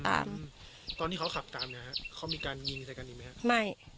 ตามตอนที่เขาขับตามครับฮะเขามีการยิงใส่กันอีกไหมฮะไม่